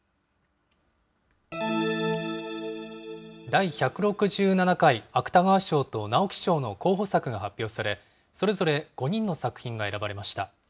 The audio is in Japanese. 第１６７回芥川賞と直木賞の候補作が発表され、それぞれ５人の作品が選ばれました。